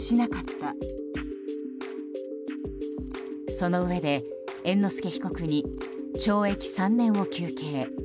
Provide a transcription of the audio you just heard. そのうえで猿之助被告に懲役３年を求刑。